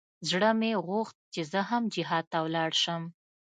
زړه مې غوښت چې زه هم جهاد ته ولاړ سم.